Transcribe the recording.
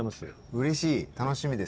うれしい楽しみです。